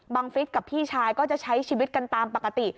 ฟิศกับพี่ชายก็จะใช้ชีวิตกันตามปกติ